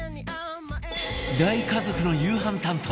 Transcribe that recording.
大家族の夕飯担当